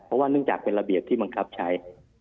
เพราะว่าเนื่องจากเป็นระเบียบที่บังคับใช้